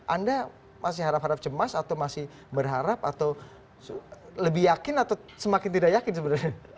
anda masih harap harap cemas atau masih berharap atau lebih yakin atau semakin tidak yakin sebenarnya